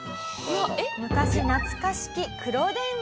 昔懐かしき黒電話。